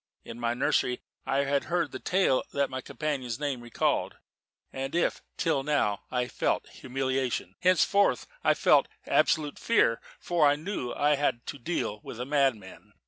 In my nursery I had heard the tale that my companion's name recalled: and if till now I had felt humiliation, henceforth I felt absolute fear, for I knew that I had to deal with a madman.